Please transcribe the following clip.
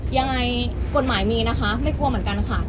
ยังไงกฎหมายมีนะคะไม่กลัวเหมือนกันค่ะ